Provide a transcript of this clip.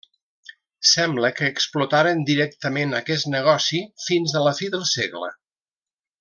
Sembla que explotaren directament aquest negoci fins a la fi del segle.